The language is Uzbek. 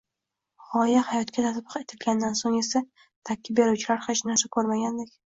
G‘oya hayotga tatbiq etilgandan so‘ng esa dakki beruvchilar hech narsa ko‘rmagandek